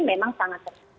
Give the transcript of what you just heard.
memang sangat terbuka